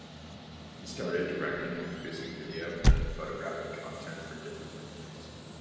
He started directing and producing video and photographic content for different companies.